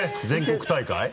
全国大会？